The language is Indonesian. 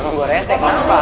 emang gue resih kenapa